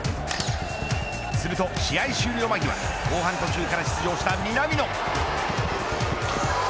すると試合終了間際後半途中から出場した南野。